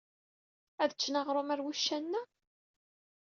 Ad ččen aɣrum ger wuccanen-a?